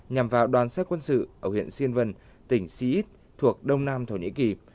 nhằm vào đoàn xác quân sự ở huyện siên vân tỉnh siít thuộc đông nam thổ nhĩ kỳ